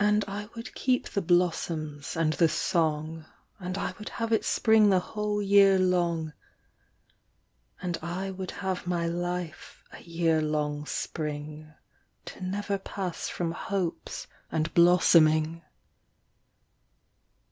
And I would keep the blossoms and the song, And I would have it spring the whole year long : And I would have my life a year long spring To never pass from hopes and blossoming.